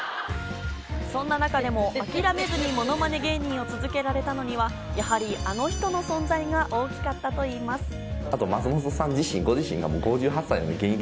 そんな中でも諦めずにものまね芸人を続けられたのには、やはり、あの人の存在が大きかったといいます。